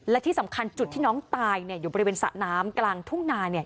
และที่สำคัญจุดที่น้องตายอยู่บริเวณสระน้ำกลางทุ่งนา